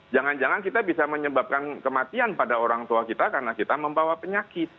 jangan jangan kita bisa menyebabkan kematian pada orang tua kita karena kita membawa penyakit